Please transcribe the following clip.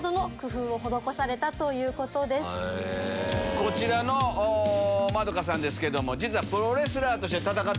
こちらのまどかさんですけども。